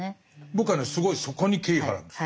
僕はねすごいそこに敬意を払うんです。